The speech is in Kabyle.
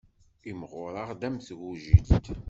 Imɣureɣ-d am tgujilt.